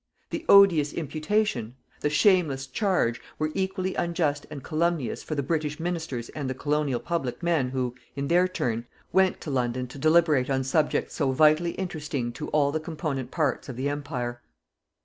The odious imputation, the shameless charge, were equally unjust and calumnious for the British ministers and the colonial public men who, in their turn, went to London to deliberate on subjects so vitally interesting all the component parts of the Empire.